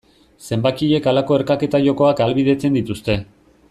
Zenbakiek halako erkaketa jokoak ahalbidetzen dituzte.